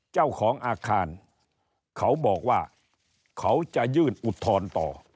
เจ้าของอาคารเขาบอกว่าเขาจะยื่นอุทธรณ์ต่อ